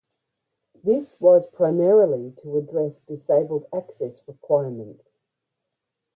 This was primarily to address disabled access requirements.